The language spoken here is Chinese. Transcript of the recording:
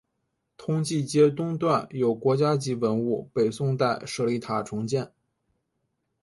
通济街东段有国家级文物北宋代舍利塔重建。